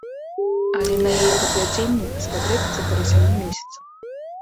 Але на яе падвядзенне спатрэбіцца каля сямі месяцаў.